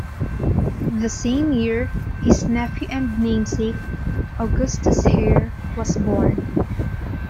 The same year, his nephew and namesake, Augustus Hare, was born.